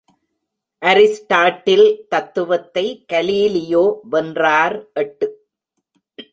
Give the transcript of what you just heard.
Aristotle தத்துவத்தை Galileo வென்றார் எட்டு.